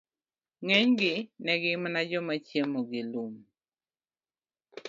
ng'enygi ne gin mana joma ne chiemo gi lum.